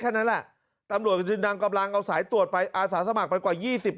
นั่นแหละตำรวจก็จึงนำกำลังเอาสายตรวจไปอาสาสมัครไปกว่า๒๐คน